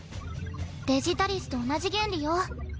デジタリスと同じ原理よ。